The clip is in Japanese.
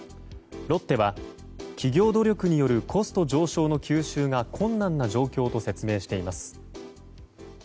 ロッテは、企業努力によるコスト上昇の吸収が困難な状況と説明しています。